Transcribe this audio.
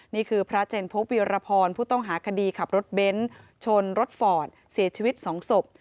นี่คือพระเจนพบวิรพรผู้ต้องหาคดีขับรถเบ้นชนรถฟอร์ดเสียชีวิต๒ศพ